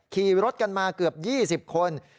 ขี่รถกันมาเกือบ๒๐คน